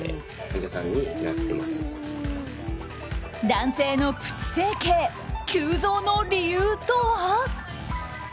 男性のプチ整形急増の理由とは？